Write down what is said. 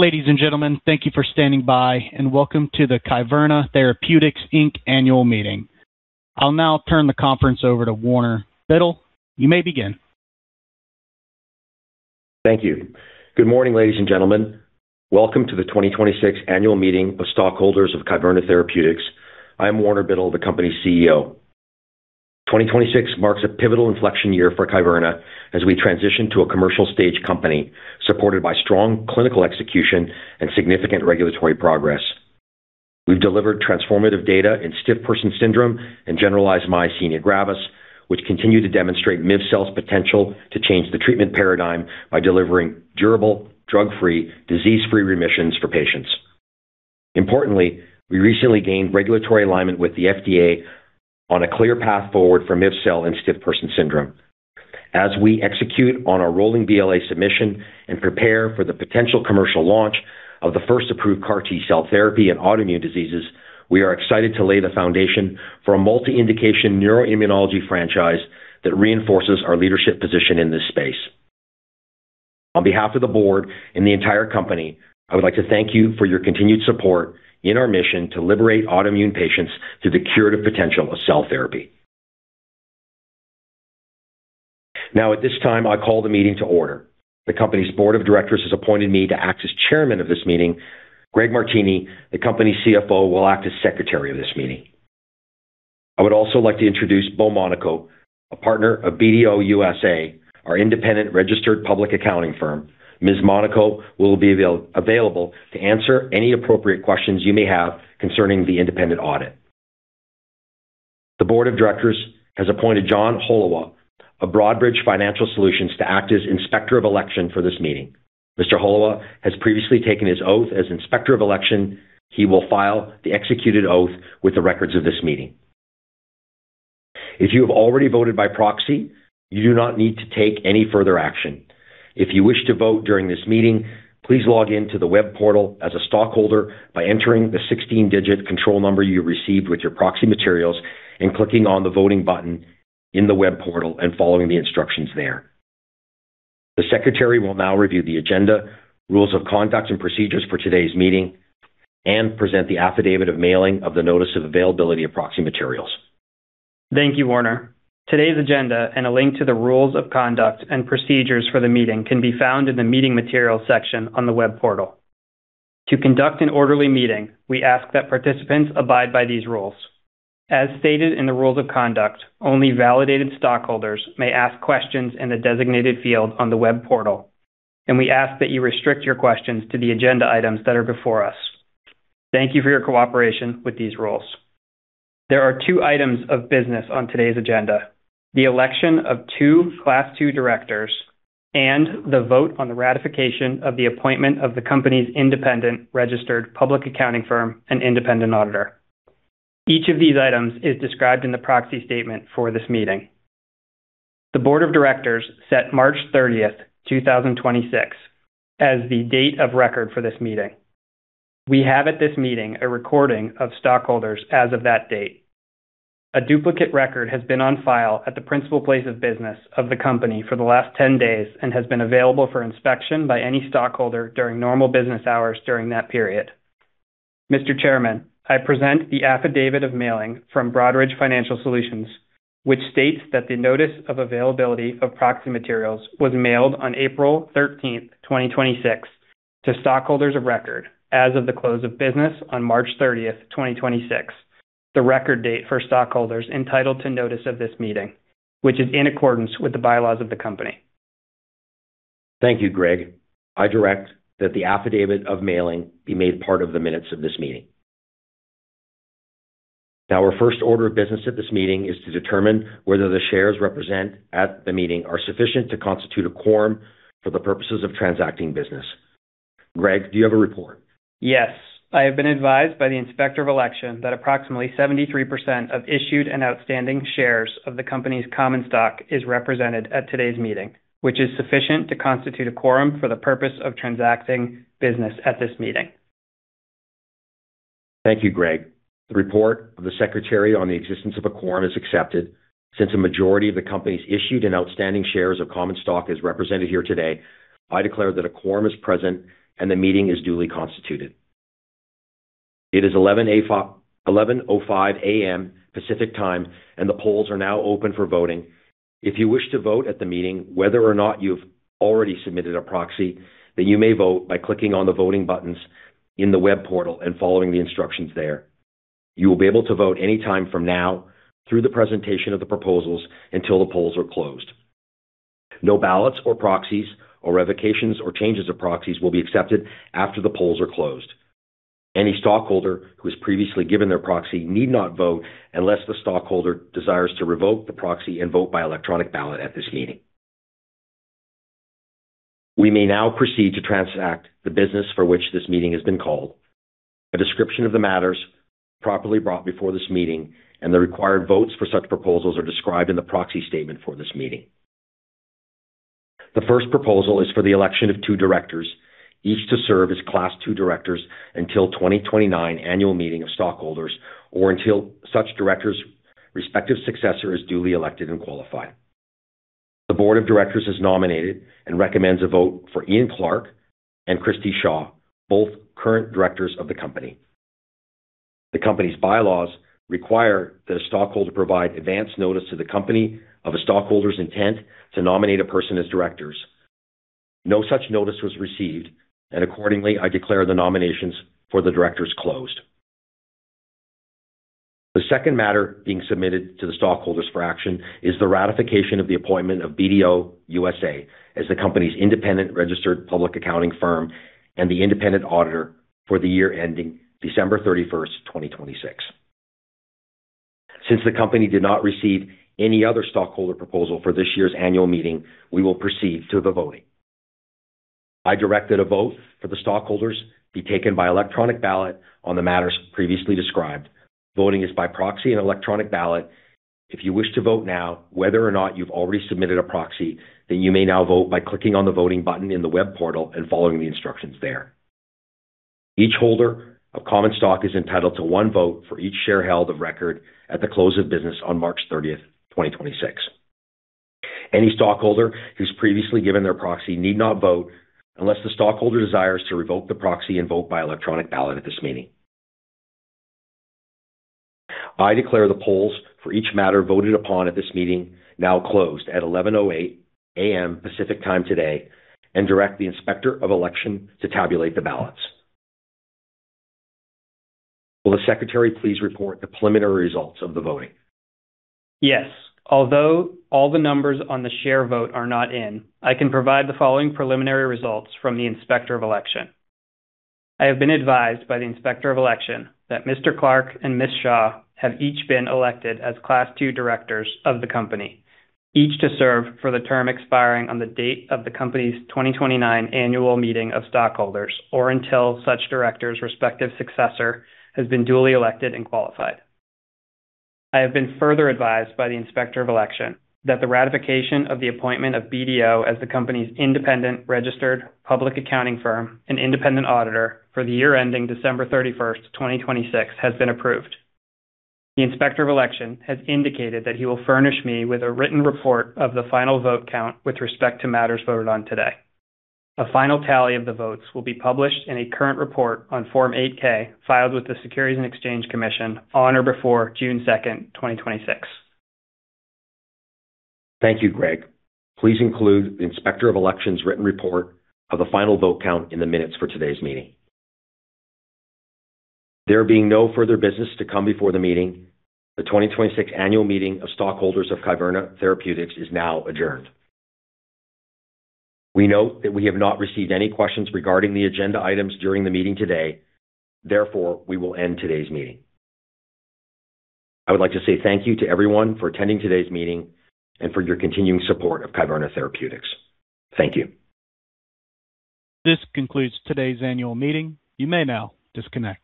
Ladies and gentlemen, thank you for standing by, and welcome to the Kyverna Therapeutics, Inc. Annual Meeting. I'll now turn the conference over to Warner Biddle. You may begin. Thank you. Good morning, ladies and gentlemen. Welcome to the 2026 Annual Meeting of Stockholders of Kyverna Therapeutics. I'm Warner Biddle, the company's Chief Executive Officer. 2026 marks a pivotal inflection year for Kyverna as we transition to a commercial stage company, supported by strong clinical execution and significant regulatory progress. We've delivered transformative data in stiff person syndrome and generalized myasthenia gravis, which continue to demonstrate mivocabtagene's potential to change the treatment paradigm by delivering durable, drug-free, disease-free remissions for patients. Importantly, we recently gained regulatory alignment with the FDA on a clear path forward for mivocabtagene and stiff person syndrome. As we execute on our rolling BLA submission and prepare for the potential commercial launch of the first approved CAR T-cell therapy in autoimmune diseases, we are excited to lay the foundation for a multi-indication neuroimmunology franchise that reinforces our leadership position in this space. On behalf of the board and the entire company, I would like to thank you for your continued support in our mission to liberate autoimmune patients through the curative potential of cell therapy. At this time, I call the meeting to order. The company's board of directors has appointed me to act as Chairman of this meeting. Greg Martini, the company's Chief Financial Officer, will act as Secretary of this meeting. I would also like to introduce Bo Monaco, a Partner of BDO USA, our independent registered public accounting firm. Ms. Monaco will be available to answer any appropriate questions you may have concerning the independent audit. The board of directors has appointed John Holowach of Broadridge Financial Solutions to act as Inspector of Election for this meeting. Mr. Holowach has previously taken his oath as Inspector of Election. He will file the executed oath with the records of this meeting. If you have already voted by proxy, you do not need to take any further action. If you wish to vote during this meeting, please log in to the web portal as a stockholder by entering the 16-digit control number you received with your proxy materials and clicking on the voting button in the web portal and following the instructions there. The secretary will now review the agenda, rules of conduct, and procedures for today's meeting and present the affidavit of mailing of the notice of availability of proxy materials. Thank you, Warner. Today's agenda and a link to the rules of conduct and procedures for the meeting can be found in the Meeting Materials section on the web portal. To conduct an orderly meeting, we ask that participants abide by these rules. As stated in the rules of conduct, only validated stockholders may ask questions in the designated field on the web portal, and we ask that you restrict your questions to the agenda items that are before us. Thank you for your cooperation with these rules. There are two items of business on today's agenda. The election of two Class II directors and the vote on the ratification of the appointment of the company's independent registered public accounting firm and independent auditor. Each of these items is described in the proxy statement for this meeting. The board of directors set March 30th, 2026, as the date of record for this meeting. We have at this meeting a recording of stockholders as of that date. A duplicate record has been on file at the principal place of business of the company for the last 10 days and has been available for inspection by any stockholder during normal business hours during that period. Mr. Chairman, I present the affidavit of mailing from Broadridge Financial Solutions, which states that the notice of availability of proxy materials was mailed on April 13th, 2026, to stockholders of record as of the close of business on March 30th, 2026, the record date for stockholders entitled to notice of this meeting, which is in accordance with the bylaws of the company. Thank you, Greg. I direct that the affidavit of mailing be made part of the minutes of this meeting. Our first order of business at this meeting is to determine whether the shares represented at the meeting are sufficient to constitute a quorum for the purposes of transacting business. Greg, do you have a report? Yes. I have been advised by the inspector of election that approximately 73% of issued and outstanding shares of the company's common stock is represented at today's meeting, which is sufficient to constitute a quorum for the purpose of transacting business at this meeting. Thank you, Greg. The report of the secretary on the existence of a quorum is accepted. Since a majority of the company's issued and outstanding shares of common stock is represented here today, I declare that a quorum is present and the meeting is duly constituted. It is 11:05 A.M. Pacific Time, and the polls are now open for voting. If you wish to vote at the meeting, whether or not you've already submitted a proxy, then you may vote by clicking on the voting buttons in the web portal and following the instructions there. You will be able to vote any time from now through the presentation of the proposals until the polls are closed. No ballots or proxies or revocations or changes of proxies will be accepted after the polls are closed. Any stockholder who has previously given their proxy need not vote unless the stockholder desires to revoke the proxy and vote by electronic ballot at this meeting. We may now proceed to transact the business for which this meeting has been called. A description of the matters properly brought before this meeting and the required votes for such proposals are described in the proxy statement for this meeting. The first proposal is for the election of two directors, each to serve as Class II directors until 2029 Annual Meeting of Stockholders or until such director's respective successor is duly elected and qualified. The board of directors has nominated and recommends a vote for Ian Clark and Christi Shaw, both current directors of the company. The company's bylaws require that a stockholder provide advance notice to the company of a stockholder's intent to nominate a person as directors. No such notice was received, and accordingly, I declare the nominations for the directors closed. The second matter being submitted to the stockholders for action is the ratification of the appointment of BDO USA as the company's independent registered public accounting firm and the independent auditor for the year ending December 31st, 2026. Since the company did not receive any other stockholder proposal for this year's annual meeting, we will proceed to the voting. I directed a vote for the stockholders be taken by electronic ballot on the matters previously described. Voting is by proxy and electronic ballot. If you wish to vote now, whether or not you've already submitted a proxy, then you may now vote by clicking on the voting button in the web portal and following the instructions there. Each holder of common stock is entitled to one vote for each share held of record at the close of business on March 30th, 2026. Any stockholder who's previously given their proxy need not vote unless the stockholder desires to revoke the proxy and vote by electronic ballot at this meeting. I declare the polls for each matter voted upon at this meeting now closed at 11:08 A.M. Pacific Time today and direct the inspector of election to tabulate the ballots. Will the secretary please report the preliminary results of the voting? Yes. Although all the numbers on the share vote are not in, I can provide the following preliminary results from the inspector of election. I have been advised by the inspector of election that Mr. Clark and Ms. Shaw have each been elected as Class II directors of the company, each to serve for the term expiring on the date of the company's 2029 annual meeting of stockholders, or until such director's respective successor has been duly elected and qualified. I have been further advised by the inspector of election that the ratification of the appointment of BDO as the company's independent registered public accounting firm and independent auditor for the year ending December 31st, 2026, has been approved. The inspector of election has indicated that he will furnish me with a written report of the final vote count with respect to matters voted on today. A final tally of the votes will be published in a current report on Form 8-K filed with the Securities and Exchange Commission on or before June 2nd, 2026. Thank you, Greg. Please include the inspector of election's written report of the final vote count in the minutes for today's meeting. There being no further business to come before the meeting, the 2026 annual meeting of stockholders of Kyverna Therapeutics is now adjourned. We note that we have not received any questions regarding the agenda items during the meeting today. Therefore, we will end today's meeting. I would like to say thank you to everyone for attending today's meeting and for your continuing support of Kyverna Therapeutics. Thank you. This concludes today's annual meeting. You may now disconnect.